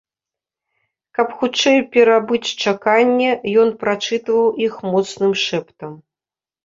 Каб хутчэй перабыць чаканне, ён прачытваў іх моцным шэптам.